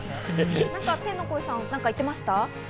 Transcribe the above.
天の声さんは何か言ってました？